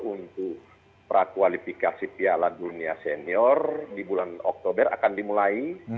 untuk prakualifikasi piala dunia senior di bulan oktober akan dimulai